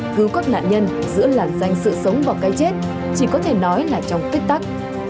cứu các nạn nhân giữa làn danh sự sống và cái chết chỉ có thể nói là trong tích tắc